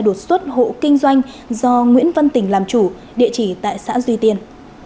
đột xuất hộ kinh doanh do nguyễn văn tình làm chủ địa chỉ tại xã duy tiên